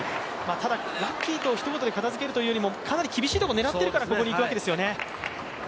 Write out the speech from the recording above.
ただ、ラッキーとひと言で片づけるというよりもかなり厳しいところを狙っているからここにいくわけですよね。